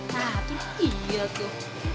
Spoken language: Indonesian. nah itu dia tuh